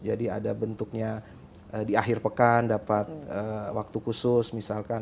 jadi ada bentuknya di akhir pekan dapat waktu khusus misalkan